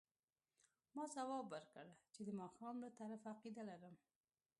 ما ځواب ورکړ چې د ماښام له طرفه عقیده لرم.